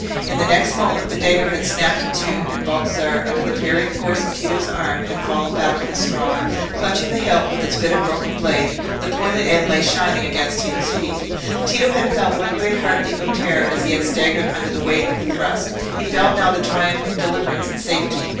In the next moment the dagger had snapped in two, and Baldassarre, under the parrying force of Tito's arm, had fallen back on the straw, clutching the hilt with its bit of broken blade. The pointed end lay shining against Tito's feet. Tito had felt one great heart leap of terror as he had staggered under the weight of the thrust: he felt now the triumph of deliverance and safety.